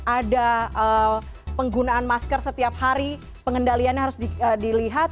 ada penggunaan masker setiap hari pengendaliannya harus dilihat